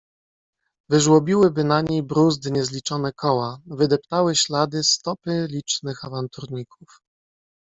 "Wyżłobiły na niej bruzdy niezliczone koła, wydeptały ślady stopy licznych awanturników."